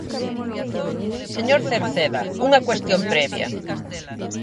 Señor Cerceda, unha cuestión previa.